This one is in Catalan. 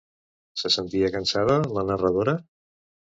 Se sentia cansada la narradora?